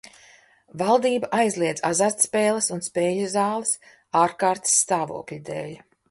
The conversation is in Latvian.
Valdība aizliedz azartspēles un spēļu zāles ārkārtas stāvokļa dēļ.